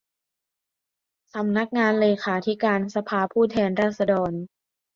สำนักงานเลขาธิการสภาผู้แทนราษฎร